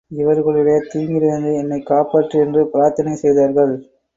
இவர்களுடைய தீங்கிலிருந்து என்னைக் காப்பாற்று என்று பிரார்த்தனை செய்தார்கள்.